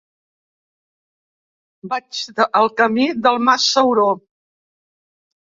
Vaig al camí del Mas Sauró.